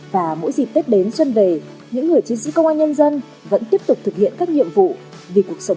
và mỗi dịp tết đến xuân về những người chiến sĩ công an nhân dân vẫn tiếp tục thực hiện các nhiệm vụ vì cuộc sống bình yên của nhân dân